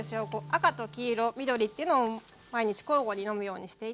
赤と黄色緑っていうのを毎日交互に飲むようにしていて。